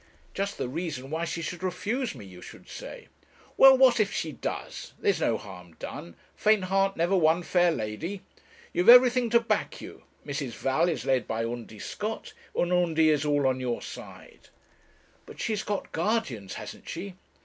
'Just the reason why she should refuse me, you should say.' 'Well what if she does? There's no harm done. 'Faint heart never won fair lady.' You've everything to back you Mrs. Val is led by Undy Scott, and Undy is all on your side.' 'But she has got guardians, hasn't she?'